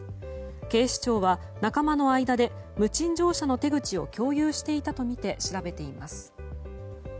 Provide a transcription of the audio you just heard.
警視庁は仲間の間で無賃乗車の手口を共有していたとみて調べています。